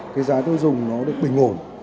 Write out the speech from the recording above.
cái giá tiêu dùng nó được bình ổn